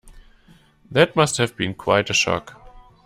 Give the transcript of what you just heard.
That must have been quite a shock.